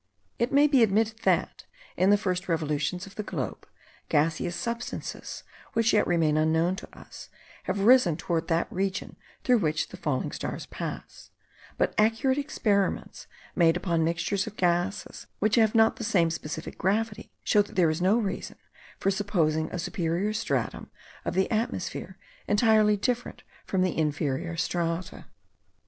It may be admitted that, in the first revolutions of the globe, gaseous substances, which yet remain unknown to us, have risen towards that region through which the falling stars pass; but accurate experiments, made upon mixtures of gases which have not the same specific gravity, show that there is no reason for supposing a superior stratum of the atmosphere entirely different from the inferior strata.